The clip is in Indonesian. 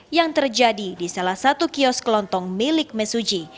yang terjadi di salah satu kios kelontong milik mesuji